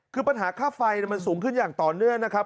คือปัญหาค่าไฟมันสูงขึ้นอย่างต่อเนื่องนะครับ